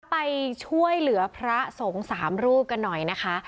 ไปช่วยเหลือพระสงฆ์สามรูปกันหน่อยนะคะ